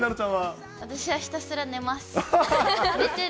私はひたすら寝ます。